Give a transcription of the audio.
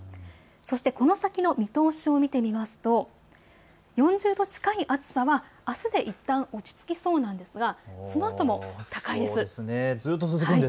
そして、この先の見通しを見てみますと４０度近い暑さはあすでいったん落ち着きそうなんですがそのあとも高いんです。